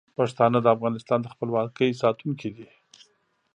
پښتانه د افغانستان د خپلواکۍ ساتونکي دي.